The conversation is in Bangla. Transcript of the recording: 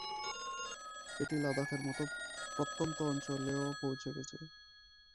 এটি লাদাখের মত প্রত্যন্ত অঞ্চলেও পৌঁছে গেছে।